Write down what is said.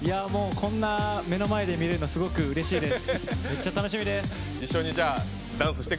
こんな目の前で見れることうれしいです。